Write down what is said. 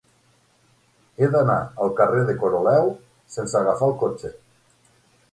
He d'anar al carrer de Coroleu sense agafar el cotxe.